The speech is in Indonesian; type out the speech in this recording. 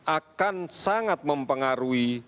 akan sangat mempengaruhi